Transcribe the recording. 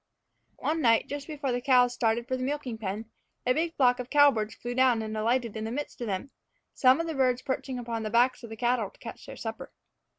One night, just before the cows started for the milking pen, a big flock of cowbirds flew down and alighted in the midst of them, some of the birds perching upon the backs of the cattle to catch their supper.